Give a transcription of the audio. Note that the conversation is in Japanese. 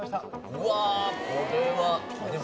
うわあこれは。